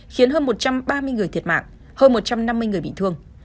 khiến hơn một trăm ba mươi người thiệt mạng hơn một trăm năm mươi người bị thương